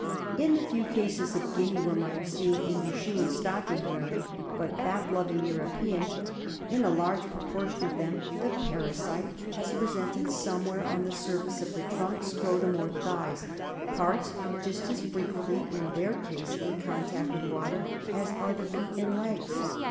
In the few cases of Guinea worm I have seen in the shoe and stocking wearing, but GUINEA WORM. 37 bath loving, European, in a large proportion of them the parasite has presented somewhere on the surface of the trunk, scrotum or thighs, parts just as frequently in their case in contact with water as are the feet and legs.